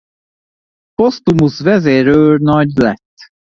Posztumusz vezérőrnagy lett.